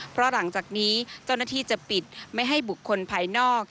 เพราะหลังจากนี้เจ้าหน้าที่จะปิดไม่ให้บุคคลภายนอก